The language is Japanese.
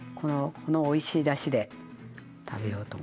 このおいしいだしで食べようと思います。